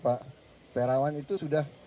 pak terawan itu sudah